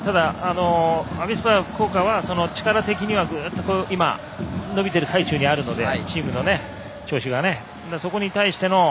アビスパ福岡は力的には、ぐっと今、伸びている最中にあるのでチームの調子は。